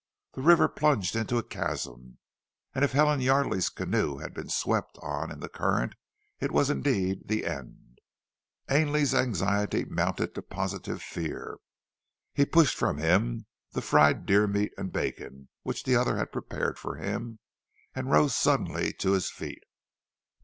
There the river plunged into a chasm, and if Helen Yardely's canoe had been swept on in the current it was indeed the end. Ainley's anxiety mounted to positive fear. He pushed from him the fried deer meat and bacon which the other had prepared for him, and rose suddenly to his feet.